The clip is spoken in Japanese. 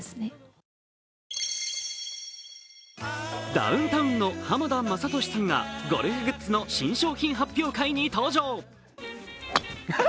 ダウンタウンの浜田雅功さんがゴルフグッズの新商品発表会に登場。